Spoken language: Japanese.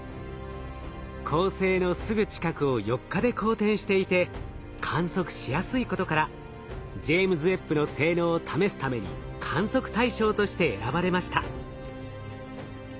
恒星のすぐ近くを４日で公転していて観測しやすいことからジェイムズ・ウェッブの性能を試すために観測対象として選ばれました。